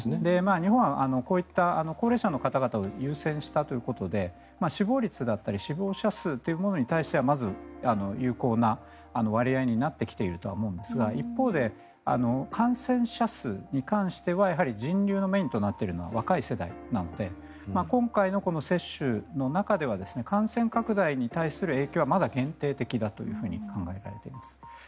日本はこういった高齢者の方々を優先したということで死亡率だったり死亡者数というものに対してはまず有効な割合になってきているとは思うんですが一方で感染者数に関しては人流のメインとなっているのは若い世代なので今回の接種の中では感染拡大に対する影響はまだ限定的だと考えられています。